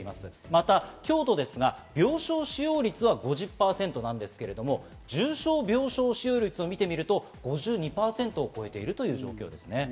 また京都ですが病床使用率は５０％なんですけれども、重症病床使用率を見てみると５２％を超えています。